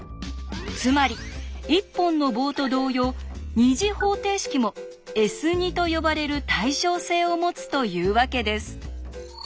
つまり一本の棒と同様２次方程式も「Ｓ」と呼ばれる対称性を持つというわけです。